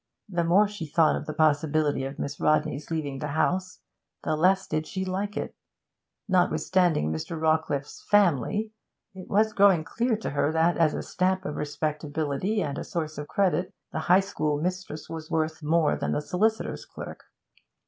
The more she thought of the possibility of Miss Rodney's leaving the house, the less did she like it. Notwithstanding Mr. Rawcliffe's 'family,' it was growing clear to her that, as a stamp of respectability and a source of credit, the High School mistress was worth more than the solicitor's clerk.